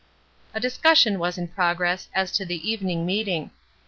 A discussion was in progress as to the evening meeting.